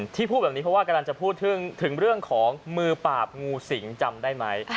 พูดแบบนี้เพราะว่ากำลังจะพูดถึงเรื่องของมือปราบงูสิงจำได้ไหม